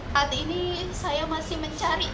saat ini saya masih mencari